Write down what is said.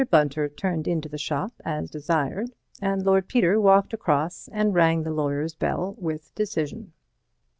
Bunter turned into the shop as desired, and Lord Peter walked across and rang the lawyer's bell with decision.